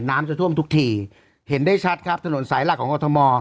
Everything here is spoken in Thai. น้ำจะท่วมทุกทีเห็นได้ชัดครับถนนสายหลักของกรทม